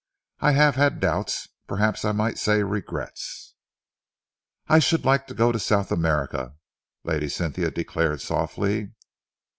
I have had doubts perhaps I might say regrets." "I should like to go to South America," Lady Cynthia declared softly.